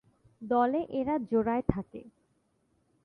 দলে এরা জোড়ায় থাকে।